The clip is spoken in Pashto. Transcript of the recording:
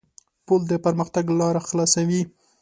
پُل د پرمختګ لاره خلاصوي.